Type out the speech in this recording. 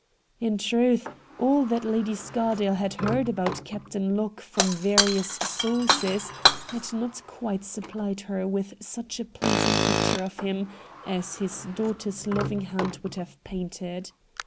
In truth, all that Lady Scardale had heard about Captain Locke from various sources had not quite supplied her with such a pleasing picture of him as his daughter's loving hand would have painted.